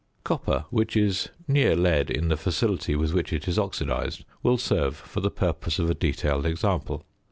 Copper, which is near lead in the facility with which it is oxidised, will serve for the purpose of a detailed example.